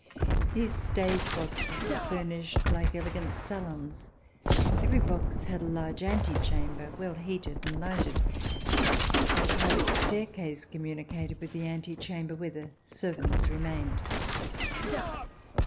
These stage boxes were furnished like elegant salons. Every box had a large antechamber, well heated and lighted; and a private staircase com municated with the antechamber where the servants remained.